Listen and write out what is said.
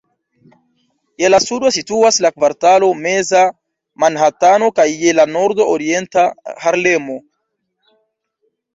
Je la sudo situas la kvartalo Meza Manhatano kaj je la nordo Orienta Harlemo.